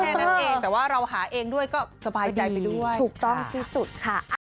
แค่นั้นเองแต่ว่าเราหาเองด้วยก็สบายใจไปด้วยถูกต้องที่สุดค่ะ